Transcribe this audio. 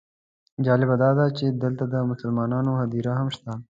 جالبه داده چې دلته د مسلمانانو هدیره هم شته.